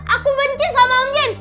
aku bencin sama om jin